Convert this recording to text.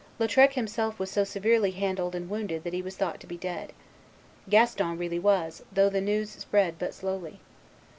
Lautrec himself was so severely handled and wounded that he was thought to be dead. Gaston really was, though the news spread but slowly.